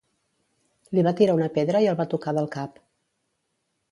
Li va tirar una pedra i el va tocar del cap.